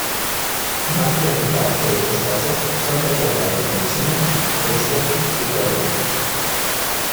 Más de la mitad de esos casos son reportados en China, Rusia y Corea.